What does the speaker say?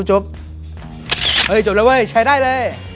เฮ้ยจบแล้วเว้ยแชร์ได้เลย